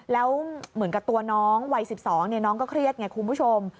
แล้วเหมือนกับตัวน้องวัย๑๒น้องก็เครียดไงคุณผู้ชม